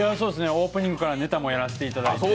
オープニングからネタもやらせていただいて。